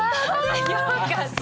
よかった。